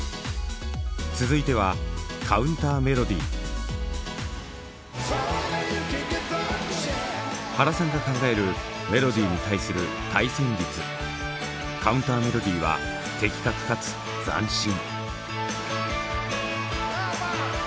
続いては原さんが考えるメロディーに対する対旋律カウンターメロディーは的確かつ斬新！